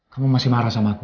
kamu masih marah sama aku